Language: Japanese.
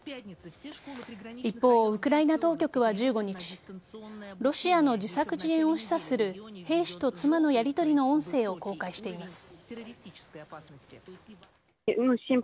一方、ウクライナ当局は１５日ロシアの自作自演を示唆する兵士と妻のやりとりの音声を公開しています。